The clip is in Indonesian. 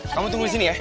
kamu tunggu di sini ya